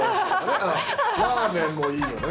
ラーメンもいいよね。